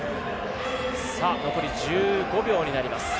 残り１５分になります。